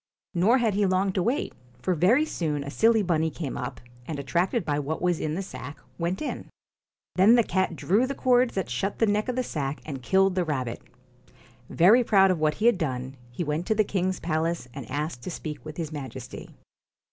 Nor had he long to wait, for very soon a silly bunny came up, and attracted by what was in the sack, went in. Then the cat drew the cords that shut the neck of the sack and killed the rabbit. Very proud of what he had done, he went to the king's palace, and asked to speak with his Majesty.